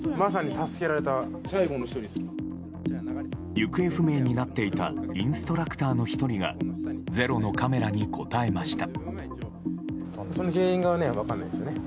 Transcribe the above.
行方不明になっていたインストラクターの１人が「ｚｅｒｏ」のカメラに答えました。